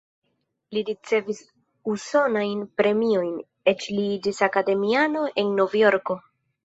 Li ricevis usonajn premiojn, eĉ li iĝis akademiano en Novjorko.